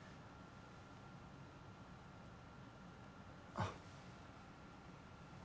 あっ。